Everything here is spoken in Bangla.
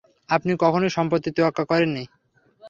আপনি কখনোই সম্পত্তির তোয়াক্কা করেননি।